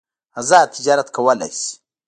ازاد تجارت کولای شي.